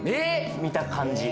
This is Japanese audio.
見た感じ